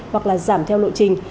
hoặc là giảm theo lộ trình